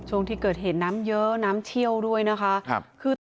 ช่วงที่เกิดเหตุน้ำเยอะน้ำเชี่ยวด้วยนะคะ